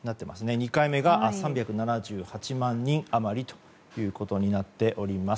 ２回目が３７８万人余りということになっております。